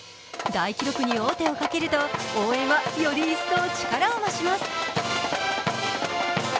大記録に王手をかけると応援はより一層力を増します。